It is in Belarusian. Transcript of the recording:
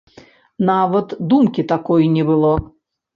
Нават думкі такой не было.